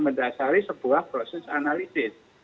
mendasari sebuah proses analisis